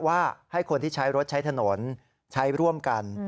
ว่าให้คนที่ใช้รถใช้ถนนใช้ร่วมกัน